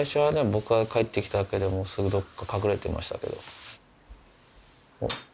僕が帰って来ただけですぐ隠れてましたけど。